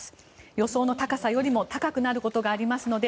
予想の高さよりも高くなることがありますので